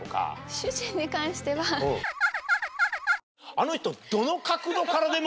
あの人。